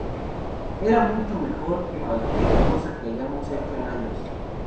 Era mucho mejor que cualquier cosa que hayamos hecho en años...".